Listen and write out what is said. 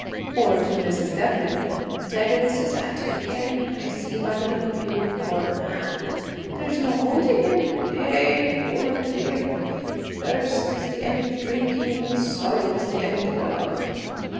Or to Mrs. Devlin: 'Terence is at it again, I see by the look of you. Poor man! There's no holding him? Eh, woman dear! Thirst is the end of drinking and sorrow is the end of love.'